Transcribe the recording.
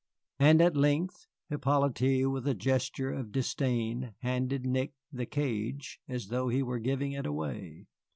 And at length Hippolyte, with a gesture of disdain, handed Nick the cage, as though he were giving it away.